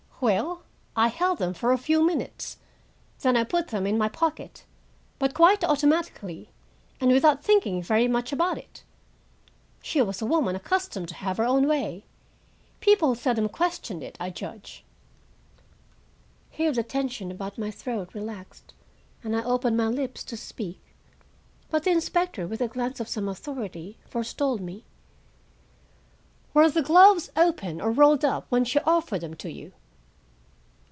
"Well, I held them for a few minutes, then I put them in my pocket, but quite automatically, and without thinking very much about it. She was a woman accustomed to have her own way. People seldom questioned it, I judge." Here the tension about my throat relaxed, and I opened my lips to speak. But the inspector, with a glance of some authority, forestalled me. "Were the gloves open or rolled up when she offered them to you?"